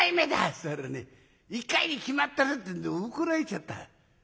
つったらね『１回に決まってる』ってんで怒られちゃった。